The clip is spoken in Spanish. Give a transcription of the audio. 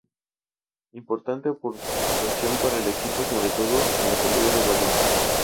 Importante aportación para el equipo sobre todo en la salida de balón.